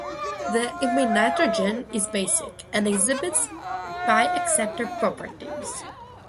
The imine nitrogen is basic and exhibits pi-acceptor properties.